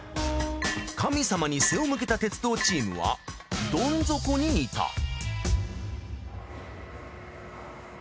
神様に背を向けた鉄道チームはどん底にいた。